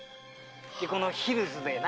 でこのヒルズでな。